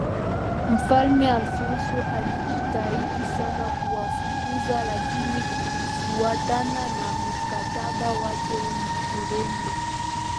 Mfalme Afonso alijitahidi sana kuwafukuza lakini kufuatana na mkataba wake na Ureno